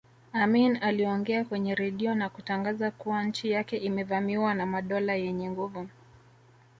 Amin aliongea kwenye redio na kutangaza kuwa nchi yake imevamiwa na madola yenye nguvu